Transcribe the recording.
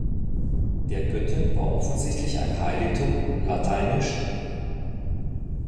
Der Göttin war offensichtlich ein Heiligtum lat.